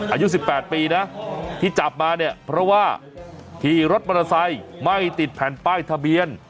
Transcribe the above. อายุ๑๘ปีนะที่จับมาเนี่ยเพราะว่าขี่รถมอเตอร์ไซค์ไม่ติดแผ่นป้ายทะเบียน